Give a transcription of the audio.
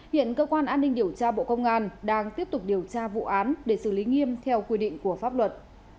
hiện cơ quan an ninh điều tra bộ công an đang tiếp tục điều tra vụ án để xử lý nghiêm theo quy định của pháp luật